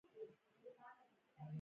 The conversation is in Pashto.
موټر له انسان سره لکه یار دی.